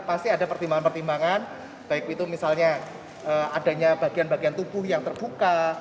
pasti ada pertimbangan pertimbangan baik itu misalnya adanya bagian bagian tubuh yang terbuka